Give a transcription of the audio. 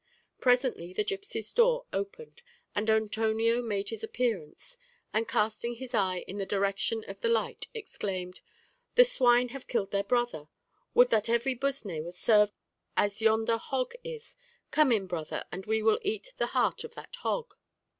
Presently the gipsy's door opened, and Antonio made his appearance; and casting his eye in the direction of the light, exclaimed, "The swine have killed their brother; would that every Busnó was served as yonder hog is. Come in, brother, and we will eat the heart of that hog."